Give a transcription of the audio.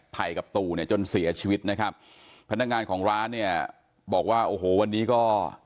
กับตู่เนี่ยจนเสียชีวิตนะครับพนักงานของร้านเนี่ยบอกว่าโอ้โหวันนี้ก็